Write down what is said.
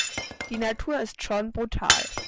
Die Natur ist schon brutal.